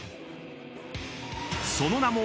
［その名も］